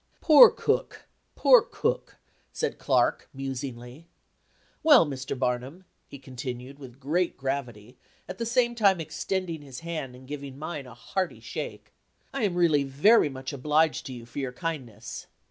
"Poor Cook! poor Cook!" said Clark, musingly. "Well, Mr. Barnum," he continued, with great gravity, at the same time extending his hand and giving mine a hearty shake, "I am really very much obliged to you for your kindness.